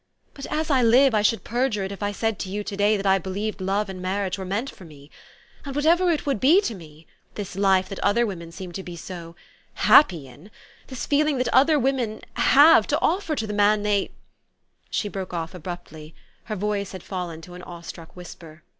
" But, as I live, I should perjure it if I said to you to day that I believed love and marriage were meant for me. And whatever it would be to me this life that other women seem to be so happy in ; this feeling that other women have to offer to the man they '' She broke off abruptly : her voice had fallen to an awe struck whisper.